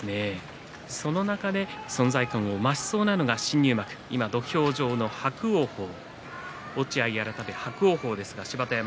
その中で存在感を増しそうなのが新入幕の落合改め伯桜鵬です。